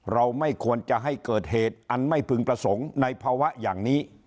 เราไม่ควรจะให้เกิดเหตุอันไม่พึงประสงค์ในภาวะอย่างนี้